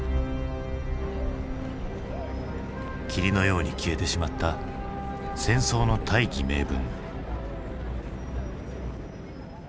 霧のように消えてしまった戦争の大義名分。